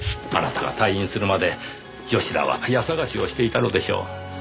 あなたが退院するまで吉田は家捜しをしていたのでしょう。